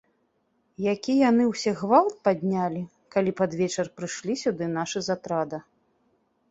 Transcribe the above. Які яны ўсе гвалт паднялі, калі пад вечар прыйшлі сюды нашы з атрада.